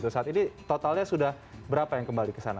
saat ini totalnya sudah berapa yang kembali ke sana